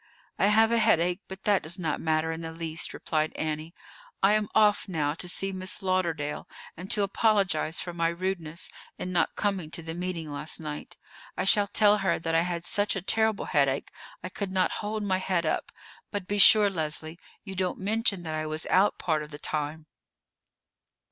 "I have a headache, but that does not matter in the least," replied Annie. "I am off now to see Miss Lauderdale, and to apologize for my rudeness in not coming to the meeting last night. I shall tell her that I had such a terrible headache I could not hold my head up; but be sure, Leslie, you don't mention that I was out part of the time."